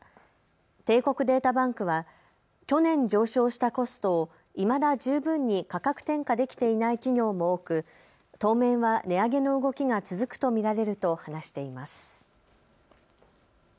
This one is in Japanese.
帝国データバンクは去年上昇したコストをいまだ十分に価格転嫁できていない企業も多く当面は値上げの動きが続くと見られると話しています。